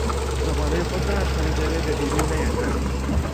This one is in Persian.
زبالهی خود را از پنجره به بیرون نیاندازید.